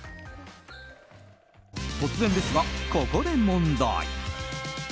突然ですがここで問題。